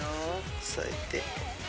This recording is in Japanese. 押さえて。